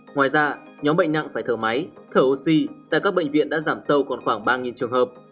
ngoài ra nhóm bệnh nặng phải thở máy thở oxy tại các bệnh viện đã giảm sâu còn khoảng ba trường hợp